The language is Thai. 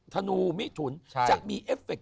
ธนูมิถุนจะมีเอฟเฟคต